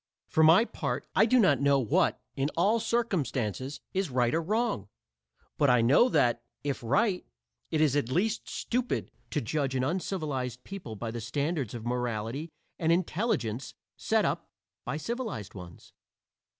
For my part, I do not know what, in all circumstances, is right or wrong; but I know that, if right, it is at least stupid, to judge an uncivilized people by the standards of morality and intelligence set up by civilized ones.